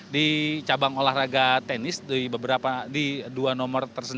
di cabang olahraga tenis di dua nomor tersendiri atau dua nomor masing masing